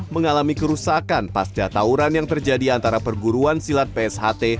mengalami kerusakan pasca tauran yang terjadi antara perguruan silat psht